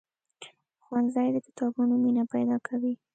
ښوونځی د کتابونو مینه پیدا کوي.